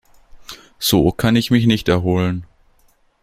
So kann ich mich nicht erholen.